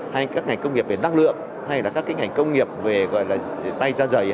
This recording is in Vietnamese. hay các ngành công nghiệp về năng lượng hay là các cái ngành công nghiệp về gọi là tay da dày